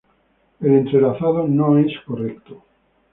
El entrelazado no es correcto.